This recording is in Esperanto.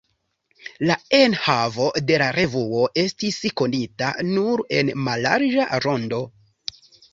La enhavo de la revuo estis konita nur en mallarĝa rondo.